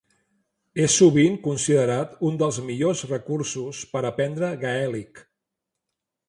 És sovint considerat un dels millors recursos per aprendre gaèlic.